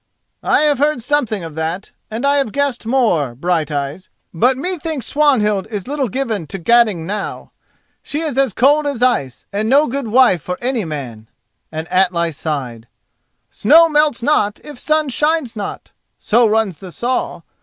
"I have heard something of that, and I have guessed more, Brighteyes; but methinks Swanhild is little given to gadding now. She is as cold as ice, and no good wife for any man," and Atli sighed, "'Snow melts not if sun shines not,' so runs the saw.